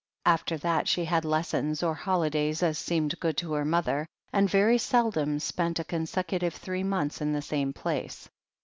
After that she had lessons or holidays as seemed good to her mother, and very seldom spent a consecu tive three months in the same place.